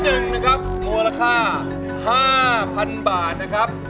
เพลงที่๑นะครับมูลค่า๕๐๐๐บาทนะครับ